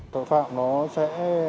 tội phạm nó sẽ